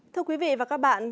thưa quý vị và các bạn